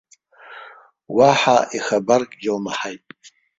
Уаҳа ихабаркгьы лмаҳаит.